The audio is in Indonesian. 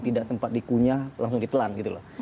tidak sempat dikunyah langsung ditelan gitu loh